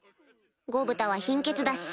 ゴブタは貧血だし